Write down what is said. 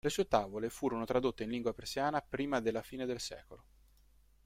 Le sue Tavole furono tradotte in lingua persiana prima della fine del secolo.